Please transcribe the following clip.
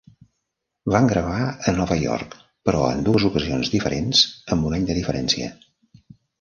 Van gravar a Nova York, però en dues ocasions diferents, amb un any de diferència.